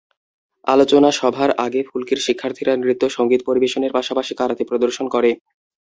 আলোচনা সভার আগে ফুলকির শিক্ষার্থীরা নৃত্য, সংগীত পরিবেশনের পাশাপাশি কারাতে প্রদর্শন করে।